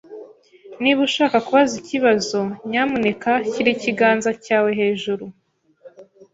Niba ushaka kubaza ikibazo, nyamuneka shyira ikiganza cyawe hejuru.